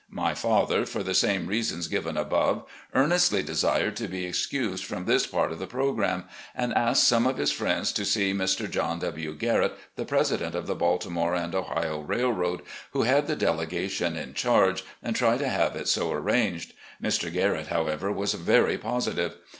My father, for the same reasons given above, earnestly desired to be excused from this part of the programme, and asked some of his friends to see Mr. John W. Garrett, the president of the Baltimore & Ohio Railroad, who had the delegation in charge, and try to have it so arranged. Mr. Garrett, however, was veiy positive.